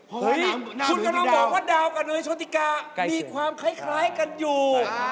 เฮ้ยคุณกำลังบอกว่าดาวกับเนยโชติกามีความคล้ายกันอยู่